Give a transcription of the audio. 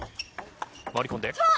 回り込んで。